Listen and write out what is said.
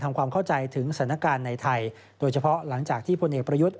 ความเข้าใจถึงสถานการณ์ในไทยโดยเฉพาะหลังจากที่พลเอกประยุทธ์